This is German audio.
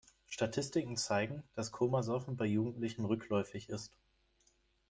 Statistiken zeigen, dass Komasaufen bei Jugendlichen rückläufig ist.